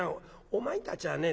お前たちはね